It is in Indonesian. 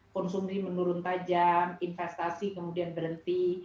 konsumsi menurun tajam investasi kemudian berhenti